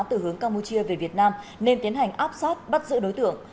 từ hướng campuchia về việt nam nên tiến hành áp sát bắt giữ đối tượng